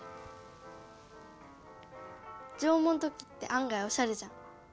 縄文土器ってあん外おしゃれじゃん。